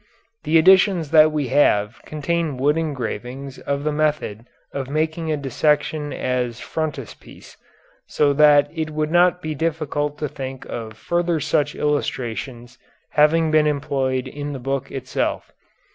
The editions that we have contain wood engravings of the method of making a dissection as frontispiece, so that it would not be difficult to think of further such illustrations having been employed in the book itself.